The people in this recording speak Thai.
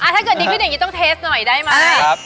ถ้าเกิดดีขึ้นอย่างนี้ต้องเทสหน่อยได้ไหม